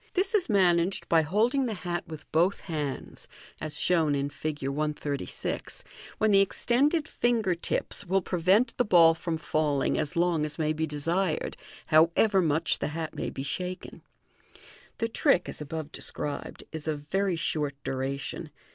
This is managed by holding the hat with both hands, as shown in Fig. 136, when the extended finger tips will prevent the ball from falling as long as may be desired, however much the hat may be shaken. The trick, as above described, is of very short duration.